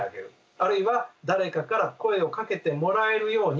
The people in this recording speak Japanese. あるいは誰かから声をかけてもらえるように。